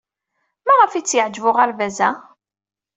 Maɣef ay tt-yeɛjeb uɣerbaz-a?